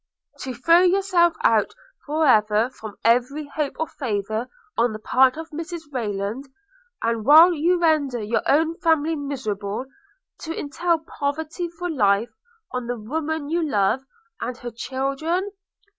'To throw yourself out for ever from every hope of favour on the part of Mrs Rayland; and while you render your own family miserable, to entail poverty for life, on the woman you love, and her children?'